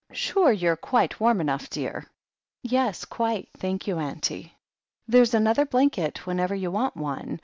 "Sure you're quite warm enough, dear?" "Yes, quite, thank you, auntie." "There's another blanket whenever you want one.